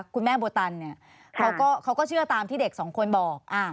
คุณแม่โบตันเนี่ยเขาก็เชื่อตามที่เด็กสองคนบอก